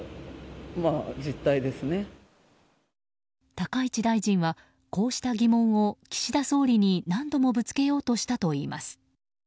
高市大臣はこうした疑問を岸田総理に何度もぶつけようとしたといいます。